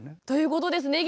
ということです。